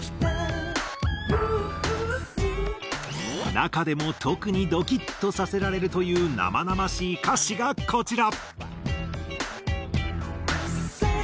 中でも特にドキッとさせられるという生々しい歌詞がこちら。